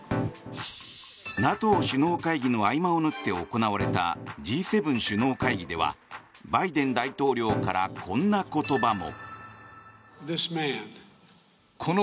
ＮＡＴＯ首脳会議の合間を縫って行われたＧ７首脳会議ではバイデン大統領からこんな言葉も。